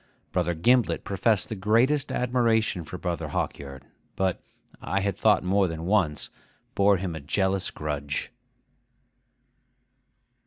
Brother Gimblet professed the greatest admiration for Brother Hawkyard, but (I had thought more than once) bore him a jealous grudge.